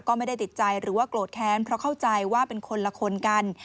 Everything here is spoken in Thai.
ก็ไม่ได้ติดใจหรือว่าโกรธแค้นเพราะเข้าใจว่าเป็นคนละคนกัน